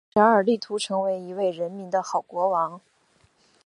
路易十二力图成为一位人民的好国王。